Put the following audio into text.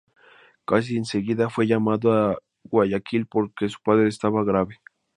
Casi enseguida fue llamado a Guayaquil porque su padre estaba grave.